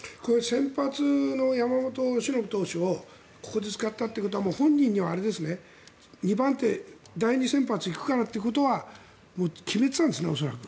先発の山本由伸投手をここで使ったということは本人には２番手第２先発行くからということは決めてたんですね、恐らく。